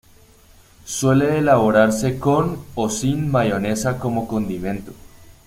Suele elaborarse con, o sin, mahonesa como condimento.